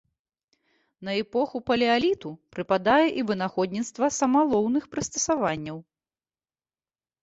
На эпоху палеаліту прыпадае і вынаходніцтва самалоўных прыстасаванняў.